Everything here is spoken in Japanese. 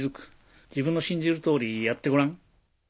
自分の信じる通りやってごらん。